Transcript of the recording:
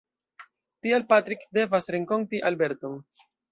Tial Patrick devas renkonti Albert-on.